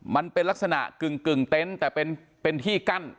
มันเป็นลักษณะกึ่งเต็นต์แต่เป็นที่กั้น